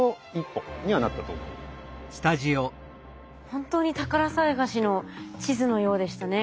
本当に宝探しの地図のようでしたね。